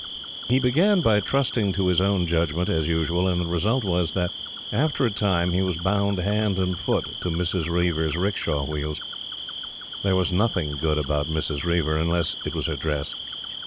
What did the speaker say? He began by trusting to his own judgment, as usual, and the result was that, after a time, he was bound hand and foot to Mrs. Reiver's 'rickshaw wheels. There was nothing good about Mrs. Reiver, unless it was her dress.